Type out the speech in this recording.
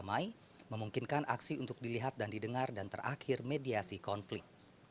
damai memungkinkan aksi untuk dilihat dan didengar dan terakhir mediasi konflik